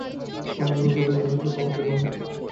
সম্ভবত তাদের একজনের সাথেও আমার দেখা হয়নি।